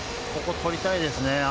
ここ、取りたいですね。